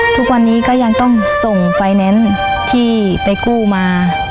ทุกวันนี้ก็ยังต้องส่งไฟแนนซ์ที่ไปกู้มา